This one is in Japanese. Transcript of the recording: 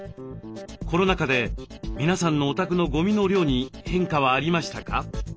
コロナ禍で皆さんのお宅のゴミの量に変化はありましたか？